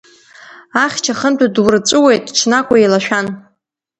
Ахьча хынтә дурҵәыуеит, ҽнак уеилашәан.